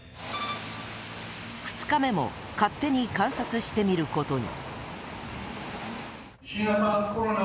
２日目も勝手に観察してみることに。